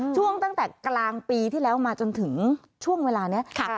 ตั้งแต่กลางปีที่แล้วมาจนถึงช่วงเวลานี้ค่ะ